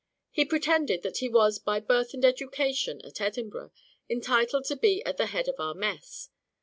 He pretended that he was, by birth and education (at Edinburgh), entitled to be at the head of our mess.